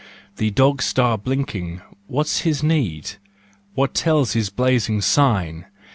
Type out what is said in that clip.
The dog star's blinking : what's his need ? What tells his blazing sign